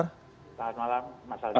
selamat malam mas alvin